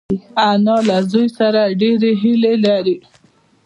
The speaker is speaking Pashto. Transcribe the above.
انا له زوی سره ډېرې هیلې لري